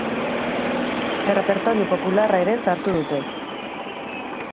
Errepertorio popularra ere sartu dute.